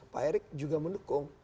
pak erick juga mendukung